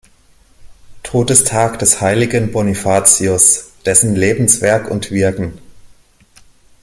Todestag des heiligen Bonifatius, dessen Lebensweg und Wirken.